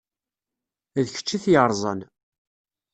D kečč i t-yeṛẓan.